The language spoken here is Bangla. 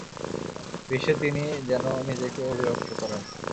বিশ্বে তিনি যেন নিজেকেই অভিব্যক্ত করেন।